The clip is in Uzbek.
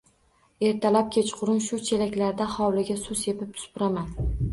Ertalab, kechqurun shu chelaklarda hovliga suv sepib, supuraman